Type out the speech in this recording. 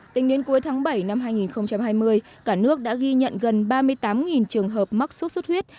tính đến cuối tháng bảy năm hai nghìn hai mươi cả nước đã ghi nhận gần ba mươi tám trường hợp mắc sốt xuất huyết